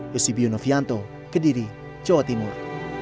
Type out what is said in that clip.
yosibio novianto kediri jawa timur